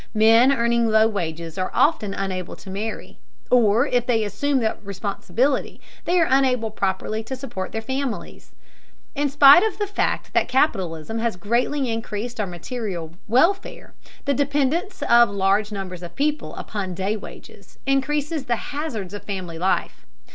Men earning low wages are often unable to marry, or, if they assume that responsibility, they are unable properly to support their families. In spite of the fact that capitalism has greatly increased our material welfare, the dependence of large numbers of people upon day wages increases the hazards of family life.